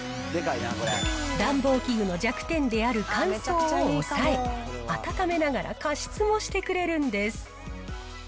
暖房器具の弱点である乾燥を抑え、温めながら加湿もしてくれるんです。